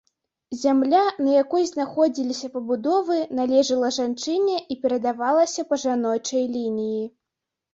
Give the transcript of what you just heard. Зямля, на якой знаходзіліся пабудовы, належыла жанчыне і перадавалася па жаночай лініі.